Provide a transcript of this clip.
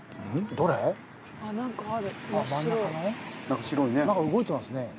何か動いてますね。